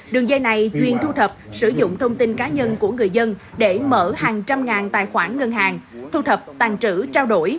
đường dây này chuyên thu thập sử dụng thông tin cá nhân của người dân để mở hàng trăm ngàn tài khoản ngân hàng thu thập tàn trữ trao đổi